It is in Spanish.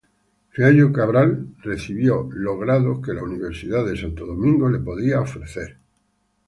Fiallo Cabral recibió cada grado la Universidad de Santo Domingo podría ofrecer.